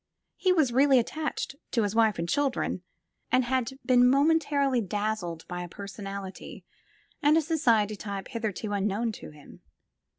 He was really attached to his wife and children, and had been momentarily dazzled by a personality and a social type hitherto unknown to him.